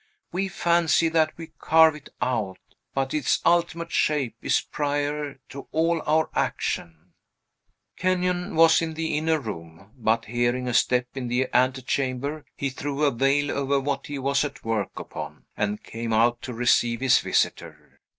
We fancy that we carve it out; but its ultimate shape is prior to all our action." Kenyon was in the inner room, but, hearing a step in the antechamber, he threw a veil over what he was at work upon, and came out to receive his visitor.